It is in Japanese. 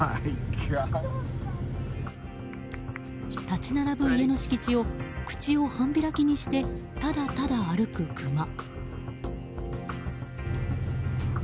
立ち並ぶ家の敷地を口を半開きにしてただただ歩くクマ。